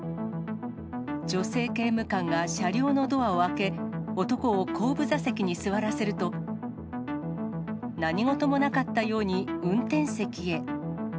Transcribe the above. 女性刑務官が車両のドアを開け、男を後部座席に座らせると、何事もなかったように運転席へ。